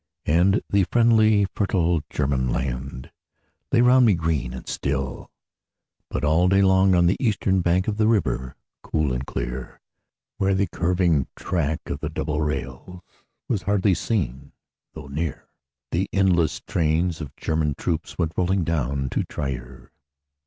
And the friendly fertile German land Lay round me green and still. But all day long on the eastern bank Of the river cool and clear, Where the curving track of the double rails Was hardly seen though near, The endless trains of German troops Went rolling down to Trier.